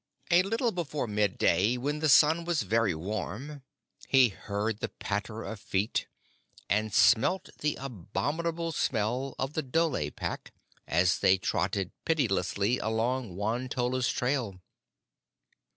A little before midday, when the sun was very warm, he heard the patter of feet and smelt the abominable smell of the dhole pack as they trotted pitilessly along Won tolla's trail.